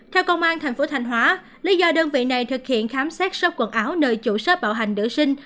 theo công an tp thành hóa lý do đơn vị này thực hiện khám xét shop quần áo nơi chủ shop bảo hành nữ sinh